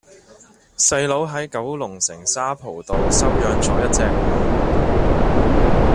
細佬喺九龍城沙浦道收養左一隻流浪狗